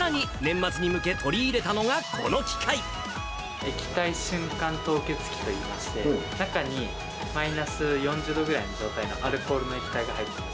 さらに、年末に向け、液体瞬間凍結機といいまして、中にマイナス４０度ぐらいの状態のアルコールの液体が入ってます。